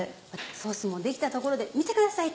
ソースも出来たところで見てください